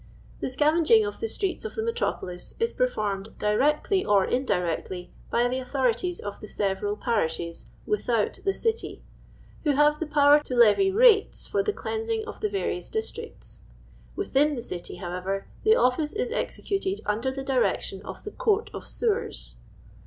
Tub scavenging of tlie streets of the mctmpoUs is performed directly or indirectly by the authorities of the several parishes " without the City," who have the power to levy rates for the cleansing of the various districts; within the City, however, the office is executed under the direction of the i Court ot" iSewers.